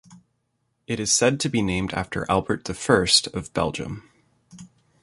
It is said to be named after Albert the First of Belgium.